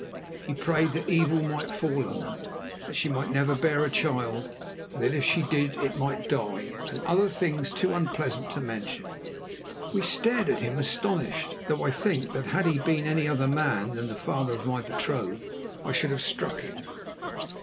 He prayed that evil might fall on her; that she might never bear a child, and that if she did, it might die, and other things too unpleasant to mention. We stared at him astonished, though I think that had he been any other man than the father of my betrothed, I should have struck him.